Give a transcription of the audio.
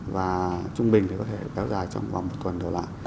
và trung bình thì có thể kéo dài trong vòng một tuần đổi lại